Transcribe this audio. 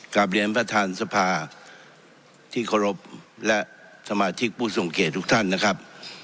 กลับเรียนประธานสภาที่เคารพและสมาชิกผู้ทรงเกียจทุกท่านนะครับ